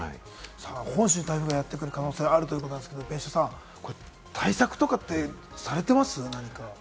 本州に台風がやってくる可能性があるということですが、別所さん、対策とかってされてます？